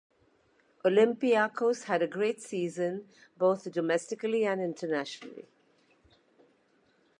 Olympiacos had a great season both domestically and internationally.